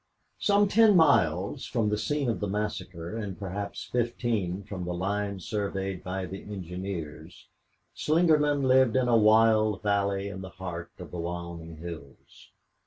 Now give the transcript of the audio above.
6 Some ten miles from the scene of the massacre and perhaps fifteen from the line surveyed by the engineers, Slingerland lived in a wild valley in the heart of the Wyoming hills.